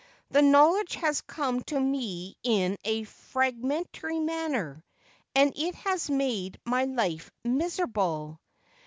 The knowledge has come to me in a fragmentary manner, and it has made my life miserable.